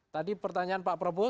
tadi pertanyaan pak prabowo